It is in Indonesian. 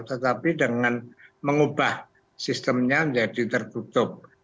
tetapi dengan mengubah sistemnya menjadi tertutup